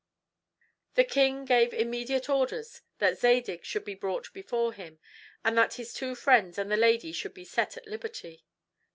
The king gave immediate orders that Zadig should be brought before him, and that his two friends and the lady should be set at liberty.